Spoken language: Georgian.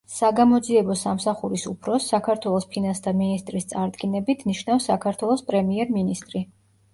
საგამოძიებო სამსახურის უფროსს, საქართველოს ფინანსთა მინისტრის წარდგინებით, ნიშნავს საქართველოს პრემიერ-მინისტრი.